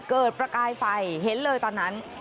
ประกายไฟเห็นเลยตอนนั้น